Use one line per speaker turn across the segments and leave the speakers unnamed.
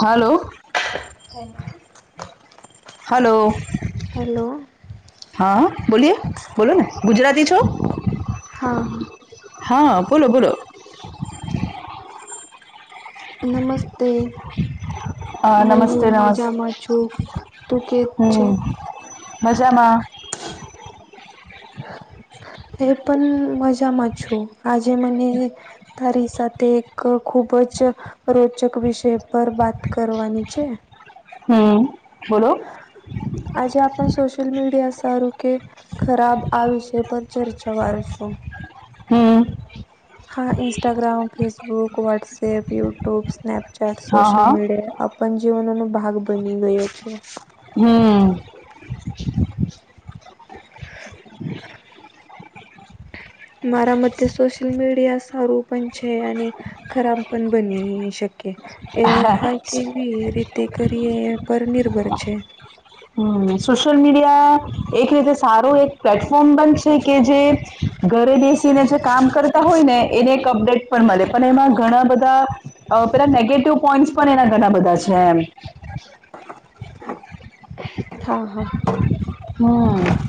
Hello.
Thank you
hello. હા બોલીએ, બોલો ને ગુજરાતી છો.
હા.
હા બોલો બોલો
નમસ્તે
અ
મં
નમસ્તે
હું
નમસ્તે
મજામાં છું તું કે છે
હમ મજામાં
એ પણ મજામાં છું આજે મને તારી સાથે તે એક ખૂબ જ રોચક વિષય પર વાત કરવાની છે
હમ બોલો
આજે આપણ સોશિલ મીડિયા સારું કે ખરાબ આ વિષય પર ચર્ચા વારશો
હમ
હા Instagram Facebook WhatsApp YouTube Snapchat
હા
સોશલ
હા
મીડિયા આપણ જીવનોનો ભાગ બની ગયો છે
હમ
હ મારા મતે સોશિલ મીડિયા સારુંપં છે અને ખરાબ પણ બની શકે એનો ઉપાય કેવી રીતે કરીએ પર નિર્ભર છે
હમ સોશિયલ મીડિયા એક રીતે સારું એક પ્લેટફોર્મ બન છે કે જે ઘરે બેસીને જે કામ કરતા હોય ને એને એક અપડેટ પણ મળે પણ એમાં ઘણા બધા પેલા નેગેટિવ પોઈન્ટસ પણ એના ઘણા બધા છે એમ
હા હા હ
હમ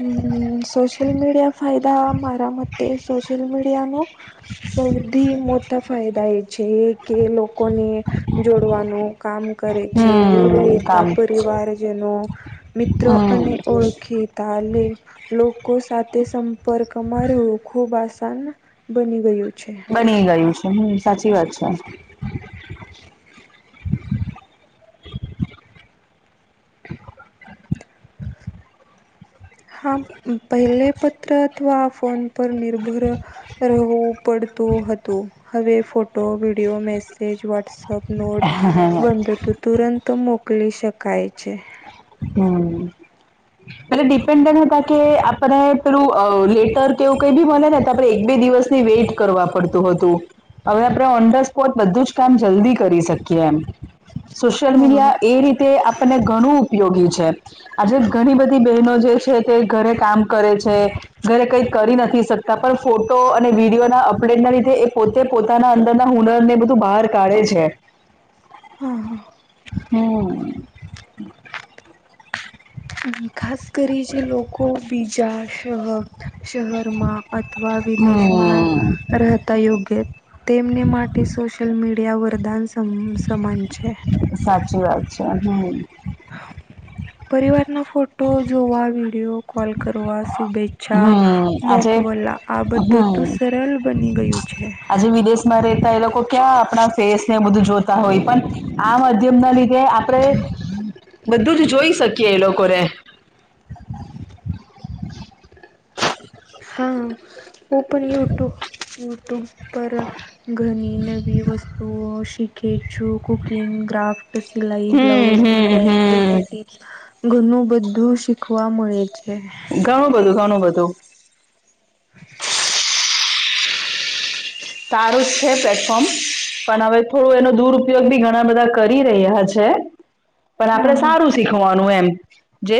હમ સોશિયલ મીડિયા ફાયદા મારા મતે સોશિયલ મીડિયા ન બૌી મોટા ફાયદા એ છે કે લોકોને જોડવાનું કામ કરે છે દૂર
હમ
રહેતા
કામ
પરિવારજનો મિત્રો
હમ
અને ઓળખી લોકો સાથે સંપર્કમાં રવું ખૂબ આસાન બની ગયું છે
બની ગયું છે હમ સાચી વાત છે
હા પહેલે પત્ર અથવા ફોન પર નિર્ભર રહેવું પડતું હતું હવે ફોટો વિડીિયો મેસેજ વોટ્સપ નોટ બંધતું તુરંત મોકલી શકાય છે
હમ એટલે ડિપેન્ડન્ટ હતા કે આપણે પેલું લેટર કેવું કઈ બી બોલે ને તો આપે એક બે દિવસ ની વેટ કરવા પડતું હતું હવે આપણે ઓન ધ સ્પોટ બધું જ કામ જલ્દી કરી શકીએ એમ સોશિયલ
હા
મીડિયા એ રીતે આપણને ઘણું ઉપયોગી છે આજે ઘણી બધી બનો જે છે તે ઘરે કામ કરે છે ઘરે કઈ કરી નથી શકતા પણ ફોટો અને વિડીિયો ના અપડેટના લીધે એ પોતે પોતાના અંદરના હુનર ને બધું બહાર કાઢે છે
હા હા
હમ
ખાસ કરી જે લોકો બીજા શર શહેરમાં અથવા વિદેશમાં
હમ
રહે યોગ્ય તેમને માટે સોશિયલ મીડિયા વરદાન સમાન છે
સાચી વાત છે હમ
પરિવારના ફોટો જોવા વિડિયો કોલ કરવા શુભેચ્છા
હમ આજે
મોકવલા આ બધું તો
હમ
સરળ બની ગયું છે
આજે વિદેશમાં રહેતા એ લોકો ક્યાં આપણા ફેસ ને બધું જોતા હોય પણ આ માધ્યમ ના લીધે આપણે બધું જ જોઈ શકીએ એ લોકોને
હા. ઓપન યુટુ યુટ્યુબ પર ઘણી નવી વસ્તુઓ શીખે છું કુકિંગ ક્રાફ્ટ સિલાઈ બ્લાઉઝ
હમ હમ
ડિઝઇન
હમ
બ્યુટી ટિપ્સ ઘણું બધું શીખવા મળે છે.
ઘણું બધું ઘણું બધું
હ
સારું જ છે, પ્લેટફોર્મ પણ હવે થોડું એનો દુરપયોગ બી ઘણા બધા કરી રહ્યા છે.
હ
પણ આપણે સારું શીખવાનું એમ જે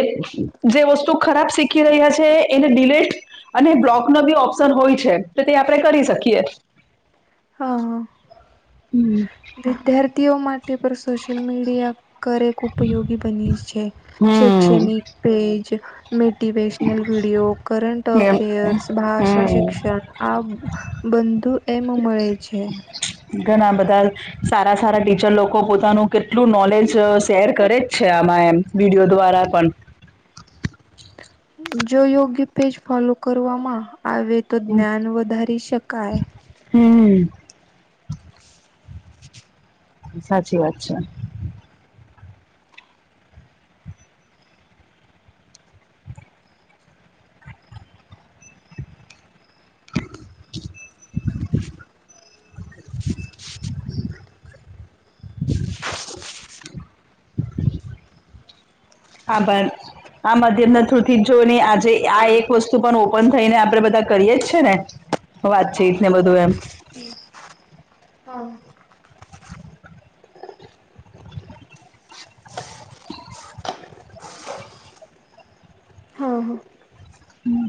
જે વસ્તુ ખરાબ શીખી રહ્યા છે, એને ડિલેટ અને બ્લોક ન બી ઓપ્શન હોય છે, તો તે આપણે કરી શકીએ
હા હા.
હમ.
વિદ્યાર્થીઓ માટે પણ સોશિયલ મીડિયા કરે ઉપયોગી બની છે,
હમ
શૈક્ષણિક પેજ મેટિવેેશનલ વિડીયો કરંન્ટ
એમ
અફેયર્સ ભાષા
હમ
શિક્ષણ આ બંધુ એમ મળે છે.
ઘણા બધા સારા સારા ટીચર લોકો પોતાનું કેટલું નોલેજ શેર કરે જ છે, આમાં એમ વિડિયો દ્વારા પણ
જો યોગ્ય પેજ ફોલો કરવામાં આવે તો જ્ઞાન વધારી શકાય
હમ. સાચી વાત છે.
[inaudible]
આબાર આ માધ્યમના થ્રુ થી જ જોઈ આજે આ એક વસ્તુ પણ ઓપન થઈને આપડે બધા કરીએ જ છે, ને વાત છે, એ ને બધું એમ
હમ. હા. હા હા.
હમ.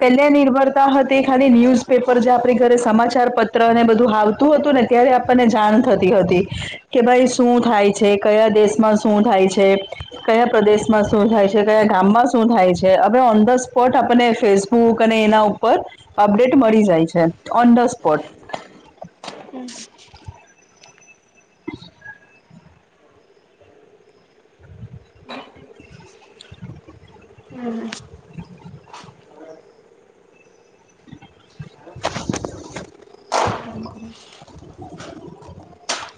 પેલે નિર્ભરતા હતી ખાલી ન્યુઝપેપર જે આપણી ઘરે સમાચાર પત્ર અને બધુંત તું હતું ને ત્યારે આપણને જાણ થતી હતી. કે ભાઈ શું થાય છે, કયા દેશમાં શું થાય છે. કયા પ્રદેશમાં શું થાય છે, કયા ગામમાં શું થાય છે, હવે ઓન ધ સ્પોટ આપને ફેસ બુક અને એના ઉપર અપડેટ મળી જાય છે, ઓન ધ સ્પોટ
હમ. હમ.
[inaudible]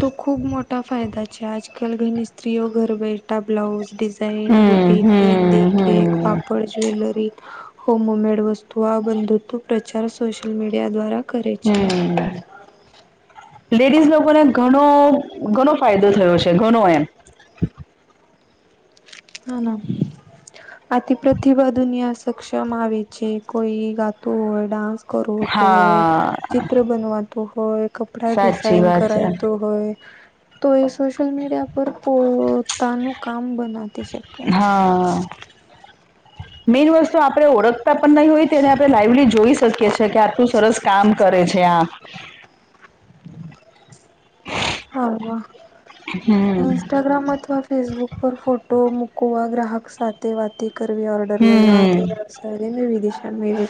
તો ખૂબ મોટા ફાયદા છે, આજકાલ ઘણી સ્ત્રીઓ ઘર બ બેઠા બ્લાઉઝ ઝઇન
હમ
બુટક મેહેંદી
હમ
કેક
હમ
પાપડ જ્વેલરી હોમમેડ વસ્તુ આ બંધુ પ્રચાર સોશિયલ મીડિયા દ્વારા કરે છે
હમ. લેડીઝ લોકોને ઘણો ઘણો ફાયદો થયો છે, ઘણો એમ
હ ના આતિ પ્રતિભા દુનિયા સક્ષમ આવે છે, કોઈ ગાતું હોય ડાન્સ કરવું તોું હોય
હા
ચિત્ર બનવાતું હોય કપડા
સાચી
ડિઝાઇન
વાત છે
કરાવતું હોય તો એ સોશિ્યયલ મીડિયા પર પોતાનું કામ બનાતી છે.
હા.
હ [unintelligible]
મેઈન વસ્તુ આપડે ઓળખતા પણ નહીં હોય તેને આપણે લાઈવલી જોઈ શકીએ એ કે આટું સરસ કામ કરે છે આ
[inaudible] હ
હમ
ઈન્સ્ટાગ્રામ અથવા ફેસબુક પર ફોટો મુકવા ગ્રાહક સાથે વાતી કરવી ઓર્ડર લેના તે
હમ
આપ નવી દિશા મે [unintelligible]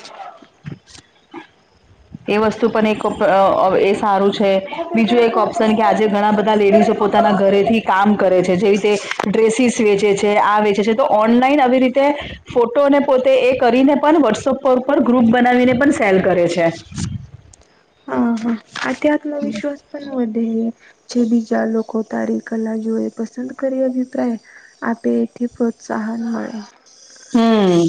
એ વસ્તુ પણ એક એ સારું છે. બીજું એક ઓપ્શન કે આજે ઘણા બધા લેડીસો પોતાના ઘરેથી કામ કરે છે જેવી રીતે ડ્રેસીસ વેચે છે આ વેચે છે તો ઓનલાઈન આવી રીતે ફોટો અને પોતે એ કરીને પણ વોટ્સઅપ પર ઉપર ગ્રુપ બનાવીને પણ સેર કરે છે.
હા હા આ તે આત્મવિશ્વાસ પણ વધે જે બીજા લોકો તારી કલા જોઈ પસંદ કરી અભિપ્રાય આપે એથી પ્રોત્સાહન મળે.
હમ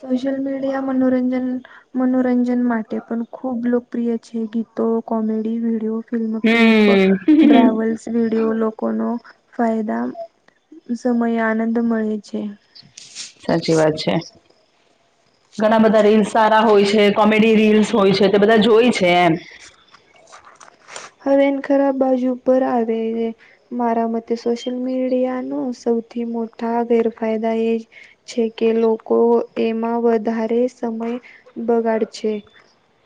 સોશિલ મીડિયા મનોરંજન મનોરંજન માટે પણ ખૂબ લોકપ્રિય છે ગીતો, કોમેડી, વિડીયો ફિલ્મ કલીપ
હમ
ડ્રવલ્સ [unintelligible] રેડિયો લોકોનો ફાયદા સમયે આનંદ મળે છે.
સાચી વાત છે. ઘણા બધા રીલ્સ સારા હોય છે કોમેડી રીલ્સ હોય છે તે બધા જોય છે એમ
હવે એને ખરાબ બાજુ પર આવે છે. મારા મતે સોશિયલ મીડિયા ન સૌથી મોટા ગેરફાયદા એ જ- છે કે લોકો એમાં વધારે સમય બગાડ છે.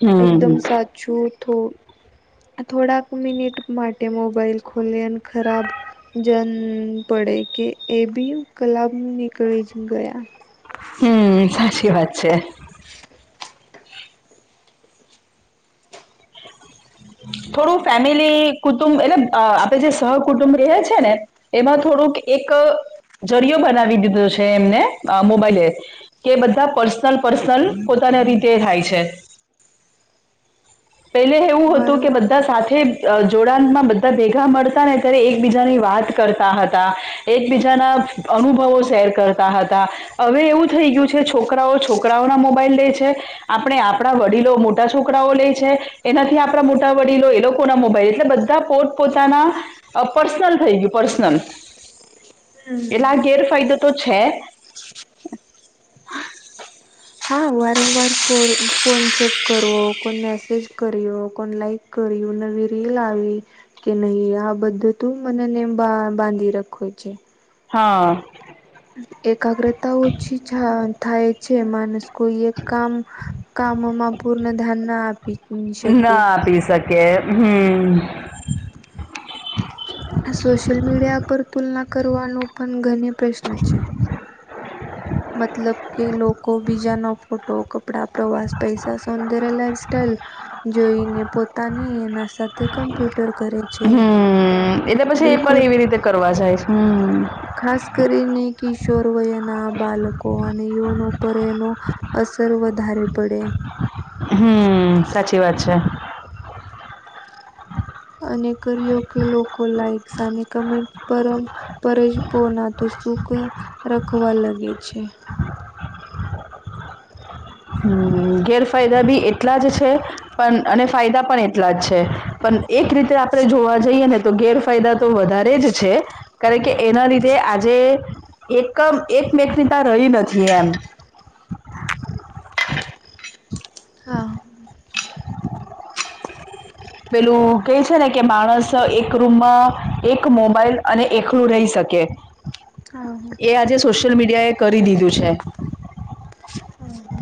હમ
એકદમ સાચું થોડાક મિનિટ માટે મોબાઈલ ખોલીએ અને ખરાબ જમ પડે કે એ બી કલાબ નીકળી જ ગયા- -
હમ સાશી વાત છે.. થોડું ફેમિલી કુટુંબ એટલે આપડે જે સહકુટુંબ રહે છે ને- - એમાં થોડુંક એક જરિયો બનાવી દીધો છે એમને મોબાઈલે- - કે બધા પર્સનલ પર્સનલ પોતાને રીતે થાય છે.
[inaudible]
પેલે એવું હતું- -
વારંવાર
સાથે જોડાણ માં બધા ભેગા મળતા ને ત્યારે એકબીજાની વાત કરતા હતા. એકબીજાના અનુભવો શેર કરતા હતા. હવે એવું થઈ ગયું છે છોકરાઓ છોકરાઓના મોબાઈલ લે છે. આપણે આપણા વડીલો મોટા છોકરાઓ લે છે એનાથી આપણા મોટા- - વડીલો એ લોકો ના મોબાઈલ એટલે બધા પોત પોતાના પર્સનલ થઈ ગયું પર્સનલ- -
[inaudible]
એટલે આ
હમ
ગેરફાયદો તો છે- -
હા વારંવાર ફો ફોન ચેક કરવો કોણ મેસેજ કર્યો કોણ લાઈક- - કરીઉ નવી રીલ આવી- - કે નહી આ બધું તું મનેને બા બાંધી રાખો છે.
હા.
એકાગ્રતા ઓછી થાય છે માણસ કોઈ એક કામ- - કામોમાં પૂર્ણ ધ્યાન ના આપી- -
ના આપી શકે હમ
આ સોશિયલ મીડિયા પર તુલના કરવાનો પણ ઘને પ્રશ્ન છે. મતલબ કે લોકો બીજાનો ફોટો, કપડા, પ્રવાસ, પૈસા, સૌંદર્ય, લાઈફ સાઈલ- - જોઈને પોતાને એના સાથે કમ્પ્યુટર કરે- - -
હમ એટલે પછી એ પણ એવી રીતે કરવા જાય હમ- -
ખાસ કરીને કિશોર વયના- - બાળકો અને યુવાનો પર એનો અસર વધારે પડે
હમ સાચી વાત છે.
અને કર્યો કે લોકો લાઈક્સ અને કમેન્ટ પર પરજ પોના તો સુખ રખવા લાગે છે.
હમ ગેરફાયદા બી એટલા જ છે. પણ અને ફાયદા પણ એટલા જ છે પણ એક રીતે આપણે જોવા જઈએ ને તો ગેરફાયદા તો વધારે જ છે. કારણ કે એના લીધે આજે એકમ એકમેકનીતા રહી નથી એમ
હા.
પેલું કઈ છે ને કે માણસ એક રૂમમાં એક મોબાઈલ અને એકલું રહી શકે.
હા.
એ આજે સોશિયલ મીડિયા એ કરી દીધું છે.
હમ્મ.